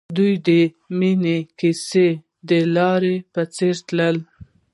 د دوی د مینې کیسه د لاره په څېر تلله.